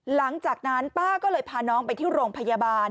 หลังจากนั้นป้าก็เลยพาน้องไปที่โรงพยาบาล